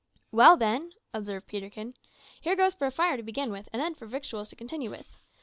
"Well, then," observed Peterkin, "here goes for a fire, to begin with, and then for victuals to continue with.